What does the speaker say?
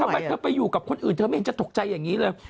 ทำไมเธอไปอยู่กับคนอื่นเธอไม่เห็นจะตกใจอย่างนี้เลย